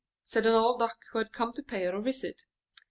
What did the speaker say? asked an old Duck, who had come to pay her a visit.